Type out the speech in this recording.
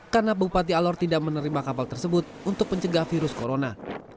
karena bupati alor tidak menerima kapal tersebut untuk mencegah virus corona